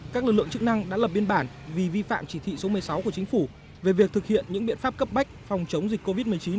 các lực lượng chức năng đã lập biên bản vì vi phạm chỉ thị số một mươi sáu của chính phủ về việc thực hiện những biện pháp cấp bách phòng chống dịch covid một mươi chín